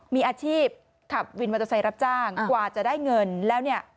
มีอาชีพขับวินมอเตอร์ไซค์รับจ้างกว่าจะได้เงินแล้วเนี่ย